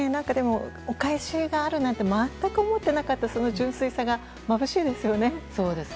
お返しがあるなんて全く思ってなかったその純粋さがまぶしいですよね。